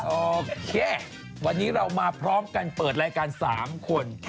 โอเควันนี้เรามาพร้อมกันเปิดรายการ๓คน